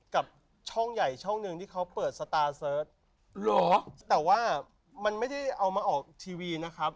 กับช่องใหญ่ช่องหนึ่งที่เขาเปิดสตาร์เสิร์ชเหรอแต่ว่ามันไม่ได้เอามาออกทีวีนะครับ